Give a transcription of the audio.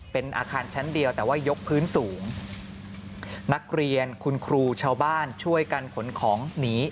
เป็นอาคารชั้นเดียวแต่ว่ายกพื้นสูงนักเรียนคุณครูชาวบ้านช่วยกันขนของหนี